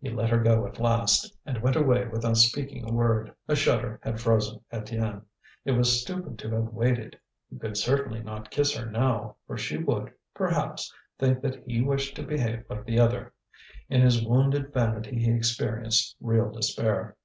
He let her go at last, and went away without speaking a word. A shudder had frozen Étienne. It was stupid to have waited. He could certainly not kiss her now, for she would, perhaps, think that he wished to behave like the other. In his wounded vanity he experienced real despair.